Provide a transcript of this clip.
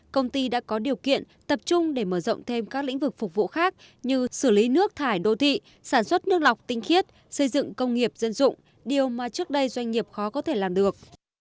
công ty đã có điều kiện tập trung để mở rộng thêm các lĩnh vực phục vụ khác như xử lý nước thải đô thị sản xuất nước lọc tinh khiết xây dựng công nghiệp dân dụng điều mà trước đây doanh nghiệp khó có thể làm được